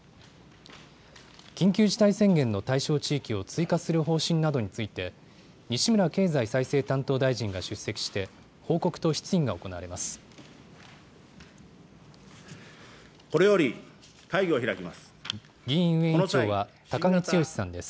緊急事態宣言の対象地域を追加する方針などについて、西村経済再生担当大臣が出席して、報告と質疑が行われます。